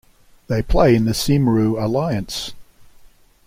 They play in the Cymru Alliance.